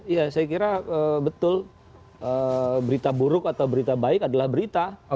ya saya kira betul berita buruk atau berita baik adalah berita